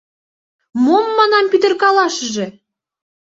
Мом, манам, пӱтыркалашыже!